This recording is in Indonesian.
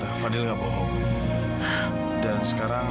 kamila kangen banget sama makan